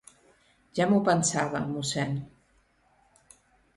Ja m'ho pensava, mossèn.